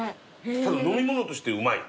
飲み物としてうまい。